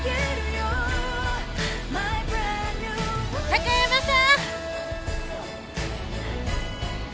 高山さん！